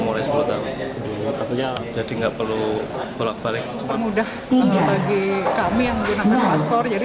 mulai sepuluh tahun jadi nggak perlu bolak balik mudah ini lagi kami yang gunakan paspor jadi